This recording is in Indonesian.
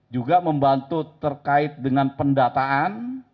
juga membantu terkait dengan pendataan